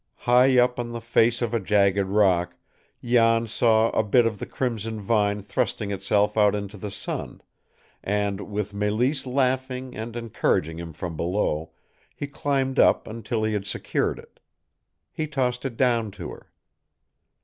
High up on the face of a jagged rock, Jan saw a bit of the crimson vine thrusting itself out into the sun, and, with Mélisse laughing and encouraging him from below, he climbed up until he had secured it. He tossed it down to her.